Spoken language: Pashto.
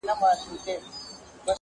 ستا د خولې سا_